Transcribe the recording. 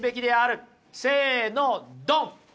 せのドン！